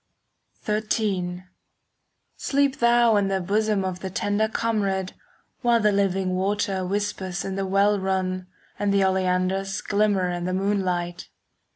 XIII Sleep thou in the bosom Of the tender comrade, While the living water Whispers in the well run, And the oleanders 5 Glimmer in the moonlight.